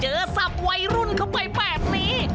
ศัพท์วัยรุ่นเข้าไปแบบนี้